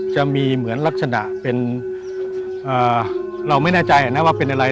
จะมีเหมือนรักษณะเราไม่น่าใจว่าเป็นอะไร